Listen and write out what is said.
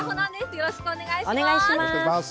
よろしくお願いします。